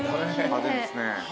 派手ですね。